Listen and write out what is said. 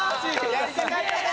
やりたかった！